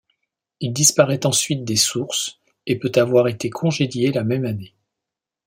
Il disparait ensuite des sources, et peut avoir été congédié la même année.